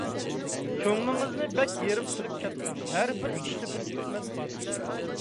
كۆڭلىڭىزنى بەك يېرىم قىلىپ كەتمەڭ، ھەربىر ئىشتا بىر ھېكمەت بار.